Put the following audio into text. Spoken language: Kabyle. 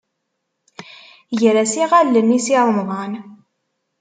Ger-as iɣallen i Si Remḍan.